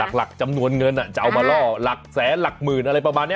หลักจำนวนเงินจะเอามาล่อหลักแสนหลักหมื่นอะไรประมาณนี้